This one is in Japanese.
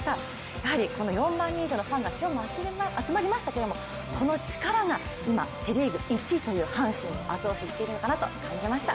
やはりこの４万人以上のファンが集まりましたけどこの力がセ・リーグ１位の阪神を後押ししているのかなと思いました。